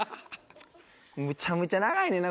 むちゃむちゃ長いねんな